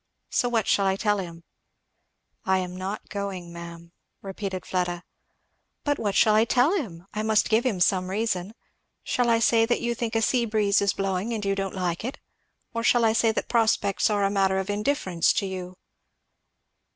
So what shall I tell him?" "I am not going, ma'am," repeated Fleda. "But what shall I tell him? I must give him some reason. Shall I say that you think a sea breeze is blowing, and you don't like it? or shall I say that prospects are a matter of indifference to you?"